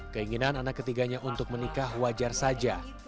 keinginan anak ketiganya untuk menikah wajar saja